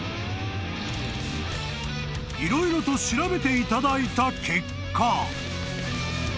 ［色々と調べていただいた結果］